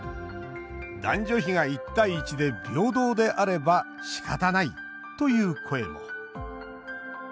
「男女比が１：１で平等であればしかたない」という声も。